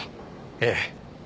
ええ。